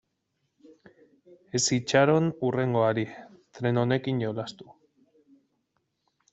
Ez itxaron hurrengoari, tren honekin jolastu.